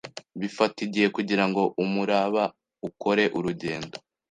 bifata igihe kugirango umuraba ukore urugendo